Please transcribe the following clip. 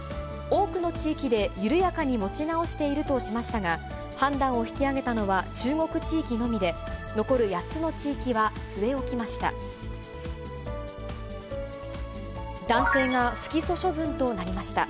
多くの地域で、緩やかに持ち直しているとしましたが、判断を引き上げたのは、中国地域のみで、残る８つの地域は据え置きました。